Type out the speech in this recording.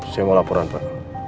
saya mau laporan pak